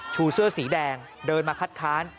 เสื้อสีแดงเดินมาคัดค้าน